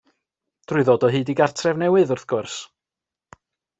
Drwy ddod o hyd i gartref newydd, wrth gwrs!